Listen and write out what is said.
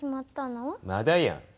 まだやん。